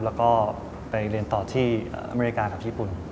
แล้วก็ไปเรียนต่อที่อเมริกากับญี่ปุ่น